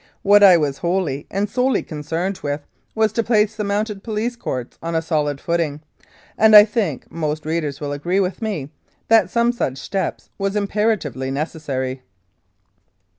What I was wholly and solely concerned with was to place the Mounted Police Courts on a solid footing, and I think most readers will agree with me that some such step was imperatively necessary.